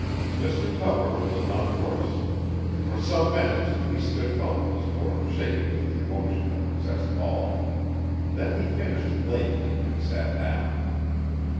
Mr Tupper was unhorsed. For some minutes he stood helpless or shaking with the emotion that possessed all. Then he finished lamely and sat down.